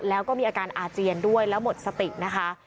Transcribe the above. แล้วก็มีอาการอาเจียนด้วยแล้วหมดสตินะคะ